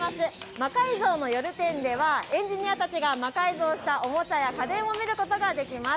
魔改造の夜展ではエンジニアたちが魔改造したおもちゃや家電を見ることができます。